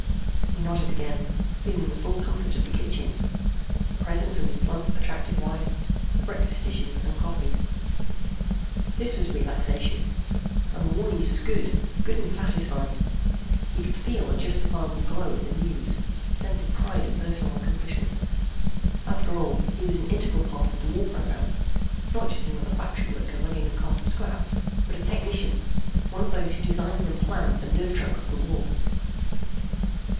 He nodded again, feeling the full comfort of the kitchen, the presence of his plump, attractive wife, the breakfast dishes and coffee. This was relaxation. And the war news was good, good and satisfying. He could feel a justifiable glow at the news, a sense of pride and personal accomplishment. After all, he was an integral part of the war program, not just another factory worker lugging a cart of scrap, but a technician, one of those who designed and planned the nerve trunk of the war.